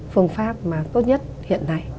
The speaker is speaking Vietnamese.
phương pháp mà tốt nhất hiện nay